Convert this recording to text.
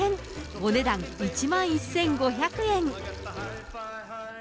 お値段１万１５００円。